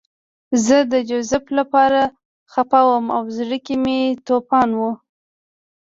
زه د جوزف لپاره خپه وم او زړه کې مې توپان و